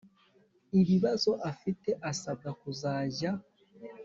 ibibazo afite asabwa kuzajya